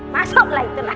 masuklah itu lah